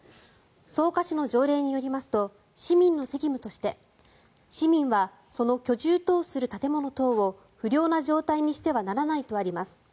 草加市の条例によりますと市民の責務として市民はその居住等する建物等を不良な状態にしてはならないとあります。